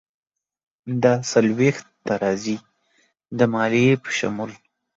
دا څلویښت ته راځي، د مالیې په شمول.